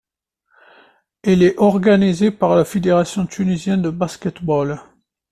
Il est organisé par la Fédération tunisienne de basket-ball.